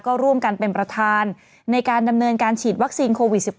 ก็ร่วมกันเป็นประธานในการดำเนินการฉีดวัคซีนโควิด๑๙